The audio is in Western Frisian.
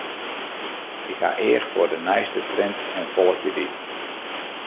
Ik ha each foar de nijste trends en folgje dy.